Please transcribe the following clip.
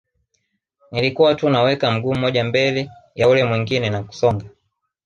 Nilikuwa tu nauweka mguu mmoja mbele ya ule mwingine na kusonga